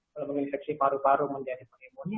kalau menginfeksi paru paru menjadi pneumonia